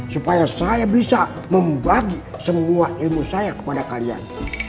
supaya saya bisa membagi semua ilmu saya kepada kalian